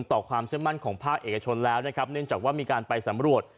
ต่อความเชื่อมั่นของภาคเอกชนแล้วนะครับเนื่องจากว่ามีการไปสำรวจ